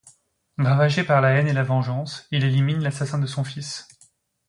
Ravagé par la haine et la vengeance, il élimine l'assassin de son fils.